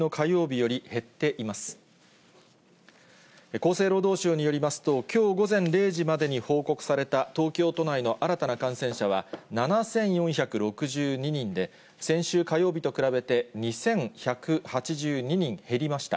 厚生労働省によりますと、きょう午前０時までに報告された東京都内の新たな感染者は７４６２人で、先週火曜日と比べて２１８２人減りました。